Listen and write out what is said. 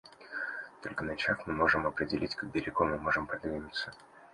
Только начав, мы можем определить, как далеко мы можем продвинуться.